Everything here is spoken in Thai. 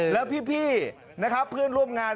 และพี่บีนะครับพี่บีร่วมงาน